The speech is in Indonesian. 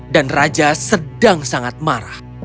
dan raja sedang sangat marah